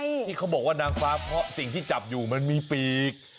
ที่เขาบอกว่านางฟ้าเพราะสิ่งที่จับอยู่มันมีปีก